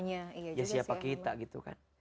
ya siapa kita gitu kan